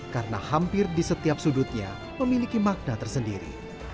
karena hampir di setiap sudutnya memiliki makna tersendiri